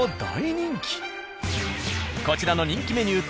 こちらの人気メニュー